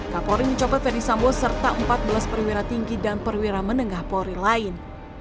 kapolri mencopot ferdisambo serta empat belas perwira tinggi dan perwira menengah polri lain